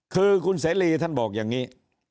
คือคุณเสรีท่านบอกอย่างนี้